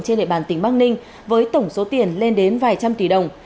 trên địa bàn tỉnh bắc ninh với tổng số tiền lên đến vài trăm tỷ đồng